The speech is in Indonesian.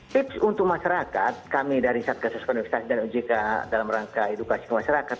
tips untuk masyarakat kami dari satgasuskon universitas dan ujk dalam rangka edukasi masyarakat